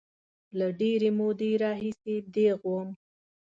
له ډېرې مودې راهیسې دیغ وم.